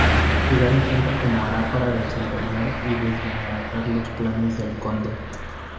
Fígaro canta cómo hará para desentrañar y desbaratar los planes del Conde.